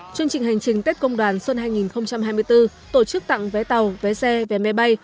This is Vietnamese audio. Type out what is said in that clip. chương trình hành trình tết công đoàn xuân hai nghìn hai mươi bốn tổ chức tặng vé tàu vé xe vé máy bay